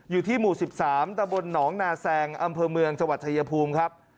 อยู่ที่หมู่๑๓ตะบนหนองนาแซงอำเภอเมืองจังหวัดชายภูมิครับ